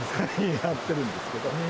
やってるんですけど。